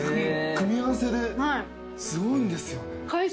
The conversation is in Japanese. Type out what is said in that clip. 組み合わせですごいんですよね。